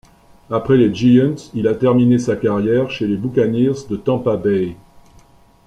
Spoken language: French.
Après les Giants, il a terminé sa carrière chez les Buccaneers de Tampa Bay.